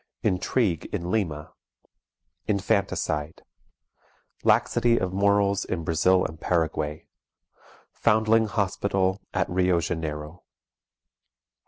Intrigue in Lima. Infanticide. Laxity of Morals in Brazil and Paraguay. Foundling Hospital at Rio Janeiro.